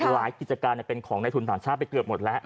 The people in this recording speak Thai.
กิจการเป็นของในทุนต่างชาติไปเกือบหมดแล้ว